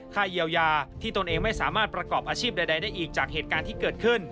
ค่าเยียวยาที่ตนเองไม่สามารถประกอบอาชีพใดได้อีกจากเหตุการณ์ที่เกิดขึ้น